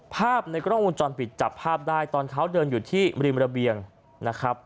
ภาพในกล้องวงจรปิดจับภาพได้ตอนเขาเดินอยู่ที่ริมระเบียงนะครับ